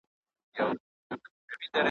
چي د بل لپاره ورور وژني په تور کي .